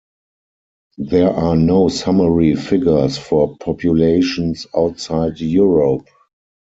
There are no summary figures for populations outside Europe.